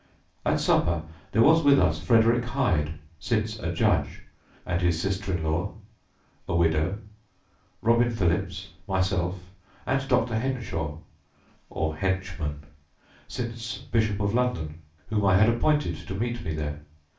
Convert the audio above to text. "At supper there was with us Frederick Hyde, since a judge, and his sister in law, a widow, Robin Philips, myself, and Dr. Henshaw [Henchman], since Bishop of London, whom I had appointed to meet me there.